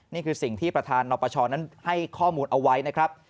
นี่คือสิ่งที่ประธานนปชนั้นให้ข้อมูลเอาไว้นะครับ